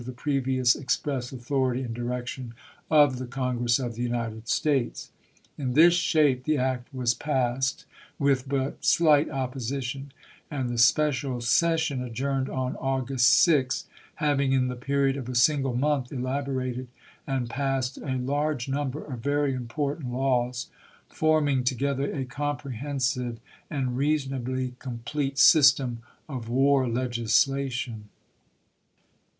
the prevlous express authority and direction of the Congress of the United States." In this shape the act was passed with but shght opposition, and the special session adjourned on August 6, having in the period of a single month elaborated and passed a large number of very important laws, forming to gether a comprehensive and reasonably complete system of war legislation.